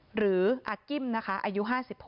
หรืออากิ้มนะคะอายุ๕๖